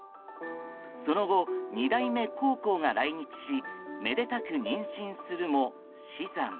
その後、２代目コウコウが来日しめでたく妊娠するも、死産。